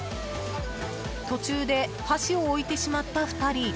途中で箸を置いてしまった２人。